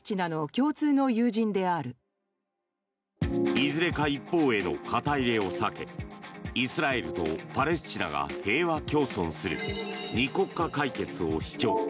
いずれか一方への肩入れを避けイスラエルとパレスチナが平和共存する２国家解決を主張。